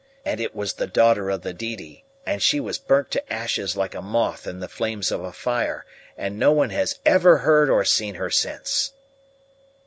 And it was the daughter of the Didi, and she was burnt to ashes like a moth in the flames of a fire, and no one has ever heard or seen her since."